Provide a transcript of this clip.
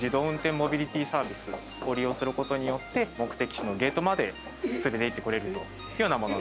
運転モビリティサービスを利用することによって目的地のゲートまで連れていってくれるというような。